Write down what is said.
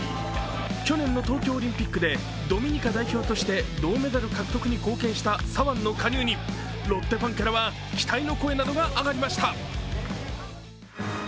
去年の東京オリンピックでドミニカ代表として銅メダル獲得に貢献した左腕の加入にロッテファンからは期待の声などが上がりました。